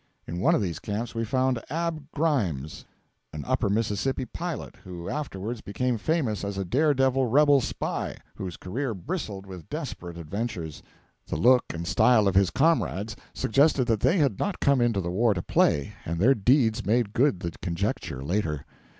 In one of these camps we found Ab Grimes, an Upper Mississippi pilot, who afterwards became famous as a dare devil rebel spy, whose career bristled with desperate adventures. The look and style of his comrades suggested that they had not come into the war to play, and their deeds made good the conjecture later.